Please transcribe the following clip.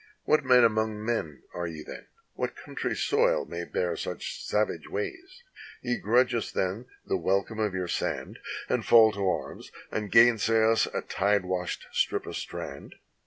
What men among men are ye then? what country's soil may bear Such savage ways? ye grudge us then the welcome of your sand. And fall to arms, and gainsay us a tide washed strip of strand.